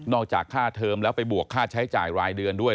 จากค่าเทอมแล้วไปบวกค่าใช้จ่ายรายเดือนด้วย